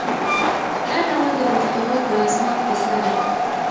دا ناول د پښتنو د عظمت کیسه ده.